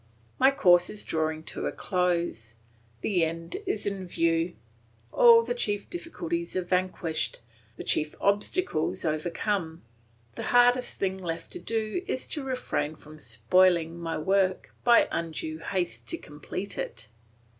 My course is drawing to a close; the end is in view. All the chief difficulties are vanquished, the chief obstacles overcome; the hardest thing left to do is to refrain from spoiling my work by undue haste to complete it.